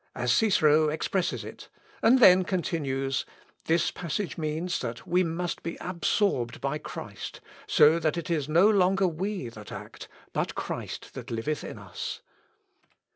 _ as Cicero expresses it; and then continues, "This passage means that we must be absorbed by Christ, so that it is no longer we that act, but Christ that liveth in us.